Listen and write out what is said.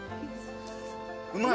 うまい？